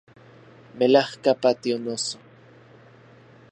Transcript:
Melajka patio, noso